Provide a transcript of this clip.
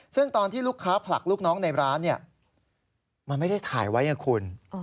ซึ่งตอนที่ลูกค้าผลักลูกน้องในร้านเนี่ยมันไม่ได้ถ่ายไว้ไงคุณ